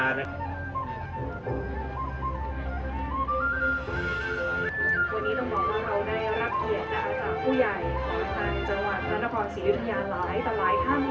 วันนี้ต่อมาเราได้รับเกียรติกับผู้ใหญ่ของการจังหวัดมรรคศรียุธยาหลายแต่หลายท่างเลย